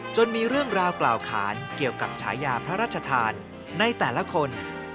มีเรื่องราวกล่าวขานเกี่ยวกับฉายาพระราชทานในแต่ละคน